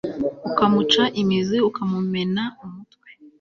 ukamuca imizi ukamumena umutwe